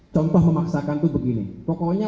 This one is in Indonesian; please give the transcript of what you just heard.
contoh memaksakan itu begini pokoknya